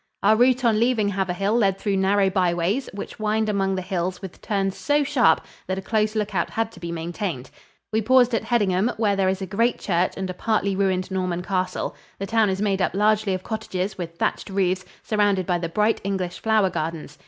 Our route on leaving Haverhill led through narrow byways, which wind among the hills with turns so sharp that a close lookout had to be maintained. We paused at Heddingham, where there is a great church and a partly ruined Norman castle. The town is made up largely of cottages with thatched roofs, surrounded by the bright English flower gardens.